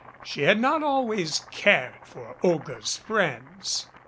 She had not always cared for Olga's friends.